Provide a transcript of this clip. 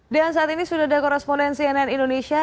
dan saat ini sudah ada korrespondensi cnn indonesia